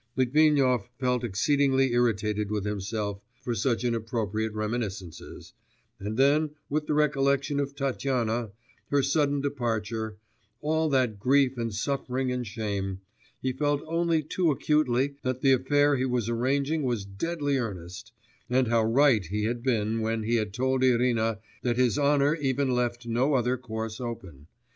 Litvinov felt exceedingly irritated with himself for such inappropriate reminiscences, and then with the recollection of Tatyana, her sudden departure, all that grief and suffering and shame, he felt only too acutely that the affair he was arranging was deadly earnest, and how right he had been when he had told Irina that his honour even left no other course open....